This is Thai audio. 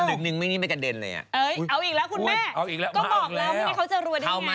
อ่าอืมอ้าวเอาอีกแล้วคุณแม่ก็บอกแล้วว่าเขาจะรวยได้ไง